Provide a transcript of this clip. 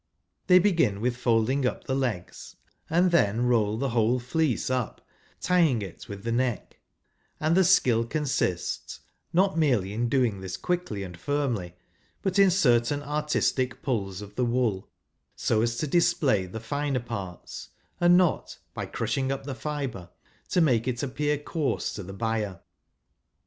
They begin with folding up the legs, and then roll the whole fleece up, tying it with the neck ; and the skill consists, not merely in doing this quickly and firmly, but in certain artistic pulls of the wool so as to display the finer parts, and not, by crushing up the fibre, to make it appear coarse to the buyer.